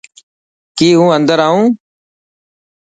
ڪي هون اندر آئون.